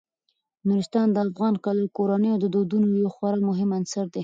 نورستان د افغان کورنیو د دودونو یو خورا مهم عنصر دی.